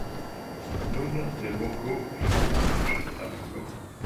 Nun de loko flugu ĝi al loko...